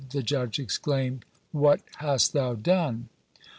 the judge exclaimed, "what hast thou done?